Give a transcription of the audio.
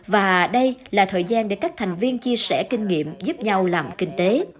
và đây là thời gian để các thành viên chia sẻ kinh nghiệm giúp nhau làm kinh tế